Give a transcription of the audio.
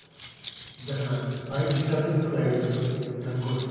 だから毎日１冊ずつぐらい読みよった学校で。